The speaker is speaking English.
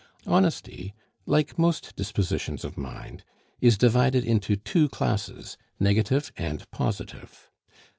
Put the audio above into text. Honesty, like most dispositions of mind, is divided into two classes negative and positive.